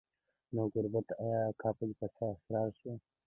نو ګوربت ایله آګاه په دې اسرار سو